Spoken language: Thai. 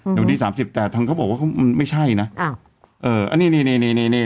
เดี๋ยววันที่สามสิบแต่ทางเขาบอกว่าเขามันไม่ใช่นะอ้าวเอออันนี้นี่นี่นี่